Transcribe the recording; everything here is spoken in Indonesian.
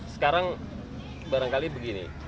sekarang barangkali begini